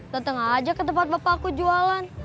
datang aja ke tempat bapak aku jualan